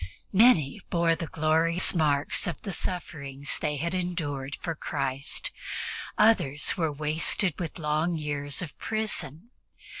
Many bore the glorious marks of the sufferings they had endured for Christ; others were wasted with long years of prison.